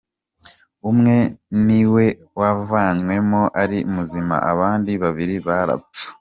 Umwe niwe wavanywemo ari muzima, abandi babiri barapfa.